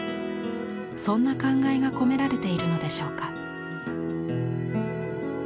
そんな感慨が込められているのでしょうか。